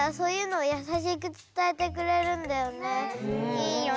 いいよね。